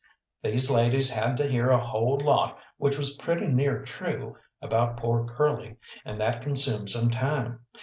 These ladies had to hear a whole lot which was pretty near true about poor Curly, and that consumed some time.